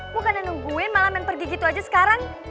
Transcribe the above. gue kan yang nungguin malah main pergi gitu aja sekarang